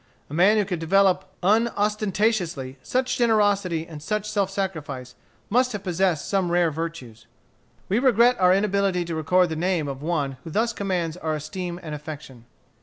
A man who could develop, unostentatiously, such generosity and such self sacrifice, must have possessed some rare virtues. We regret our inability to record the name of one who thus commands our esteem and affection.